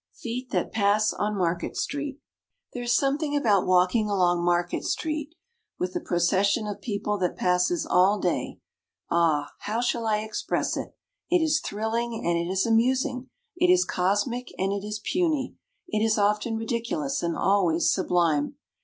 Feet That Pass on Market St. There is something about walking along Market street with the procession of people that passes all day, ah, how shall I express it? It is thrilling and it is amusing; it is cosmic and it is puny. It is often ridiculous and always sublime.